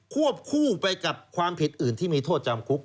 วบคู่ไปกับความผิดอื่นที่มีโทษจำคุก